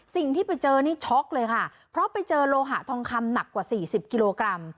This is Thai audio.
สิ่งที่ไปเจอนี่ช็อกเลยค่ะเพราะไปเจอโลหะทองคำหนักกว่าสี่สิบกิโลกรัม